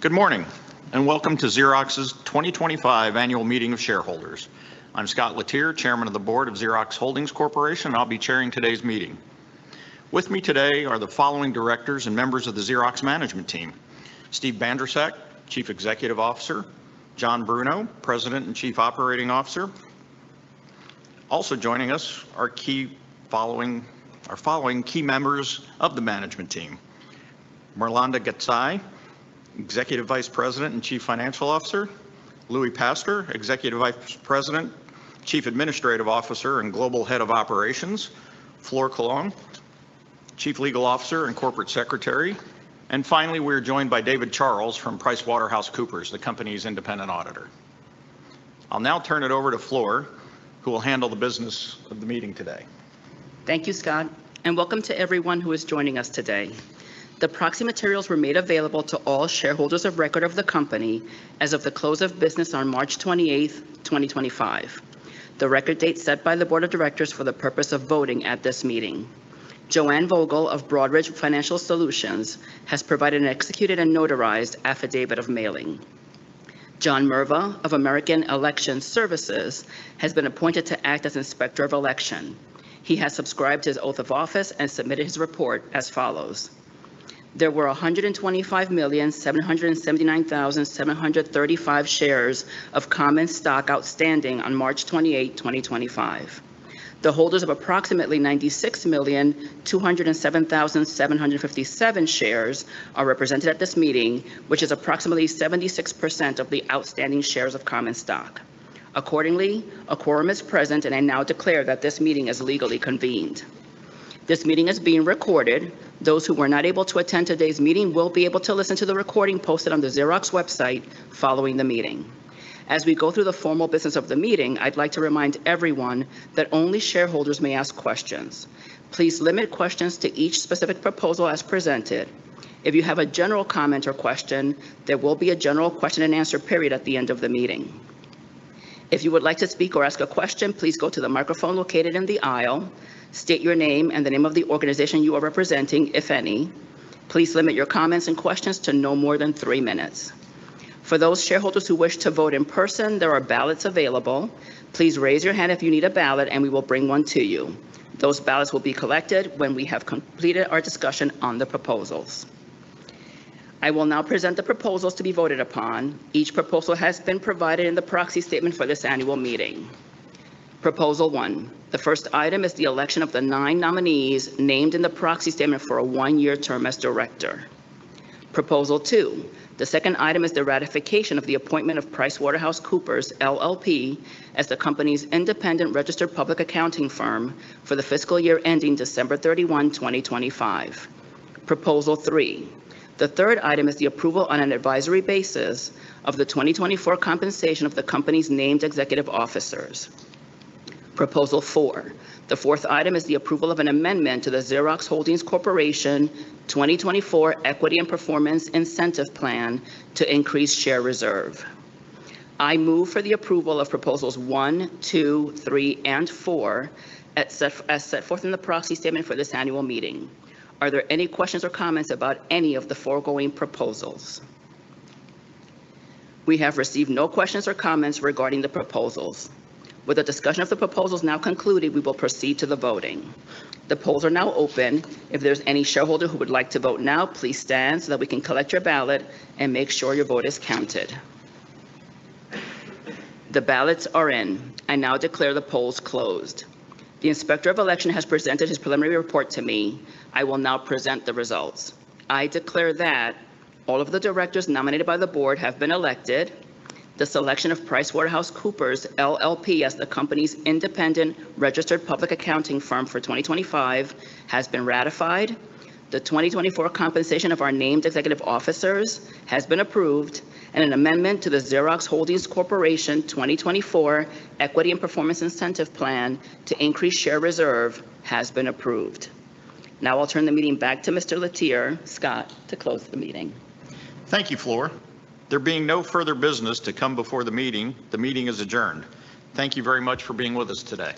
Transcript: Good morning and welcome to Xerox's 2025 Annual Meeting of Shareholders. I'm Scott Letier, Chairman of the Board of Xerox Holdings Corporation, and I'll be chairing today's meeting. With me today are the following directors and members of the Xerox management team: Steve Bandrowczak, Chief Executive Officer; John Bruno, President and Chief Operating Officer. Also joining us are the following key members of the management team: Mirlanda Gecaj, Executive Vice President and Chief Financial Officer; Louie Pastor, Executive Vice President, Chief Administrative Officer and Global Head of Operations; Flor Colón, Chief Legal Officer and Corporate Secretary; and finally, we are joined by David Charles from PricewaterhouseCoopers, the company's independent auditor. I'll now turn it over to Flor, who will handle the business of the meeting today. Thank you, Scott, and welcome to everyone who is joining us today. The proxy materials were made available to all shareholders of record of the company as of the close of business on March 28, 2025. The record date set by the Board of Directors for the purpose of voting at this meeting. Joanne Vogel of Broadridge Financial Solutions has provided an executed and notarized affidavit of mailing. John Mervah of American Election Services has been appointed to act as Inspector of Election. He has subscribed to his oath of office and submitted his report as follows. There were 125,779,735 shares of common stock outstanding on March 28, 2025. The holders of approximately 96,207,757 shares are represented at this meeting, which is approximately 76% of the outstanding shares of common stock. Accordingly, a quorum is present, and I now declare that this meeting is legally convened. This meeting is being recorded. Those who were not able to attend today's meeting will be able to listen to the recording posted on the Xerox website following the meeting. As we go through the formal business of the meeting, I'd like to remind everyone that only shareholders may ask questions. Please limit questions to each specific proposal as presented. If you have a general comment or question, there will be a general question and answer period at the end of the meeting. If you would like to speak or ask a question, please go to the microphone located in the aisle, state your name and the name of the organization you are representing, if any. Please limit your comments and questions to no more than three minutes. For those shareholders who wish to vote in person, there are ballots available. Please raise your hand if you need a ballot, and we will bring one to you. Those ballots will be collected when we have completed our discussion on the proposals. I will now present the proposals to be voted upon. Each proposal has been provided in the proxy statement for this annual meeting. Proposal One. The first item is the election of the nine nominees named in the proxy statement for a one-year term as director. Proposal Two. The second item is the ratification of the appointment of PricewaterhouseCoopers, LLP, as the company's independent registered public accounting firm for the fiscal year ending December 31, 2025. Proposal Three. The third item is the approval on an advisory basis of the 2024 compensation of the company's named executive officers. Proposal Four. The fourth item is the approval of an amendment to the Xerox Holdings Corporation 2024 Equity and Performance Incentive Plan to increase share reserve. I move for the approval of proposals one, two, three, and four as set forth in the proxy statement for this annual meeting. Are there any questions or comments about any of the foregoing proposals? We have received no questions or comments regarding the proposals. With the discussion of the proposals now concluded, we will proceed to the voting. The polls are now open. If there's any shareholder who would like to vote now, please stand so that we can collect your ballot and make sure your vote is counted. The ballots are in. I now declare the polls closed. The Inspector of Election has presented his preliminary report to me. I will now present the results. I declare that all of the directors nominated by the board have been elected. The selection of PricewaterhouseCoopers, LLP, as the company's independent registered public accounting firm for 2025 has been ratified. The 2024 compensation of our named executive officers has been approved, and an amendment to the Xerox Holdings Corporation 2024 Equity and Performance Incentive Plan to increase share reserve has been approved. Now I'll turn the meeting back to Mr. Letier, Scott, to close the meeting. Thank you, Flor. There being no further business to come before the meeting, the meeting is adjourned. Thank you very much for being with us today.